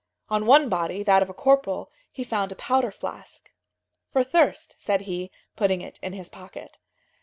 On one body, that of a corporal, he found a powder flask. "For thirst," said he, putting it in his pocket.